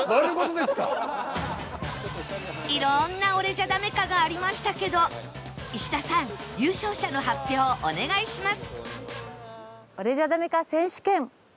いろんな「俺じゃダメか？」がありましたけど石田さん優勝者の発表お願いします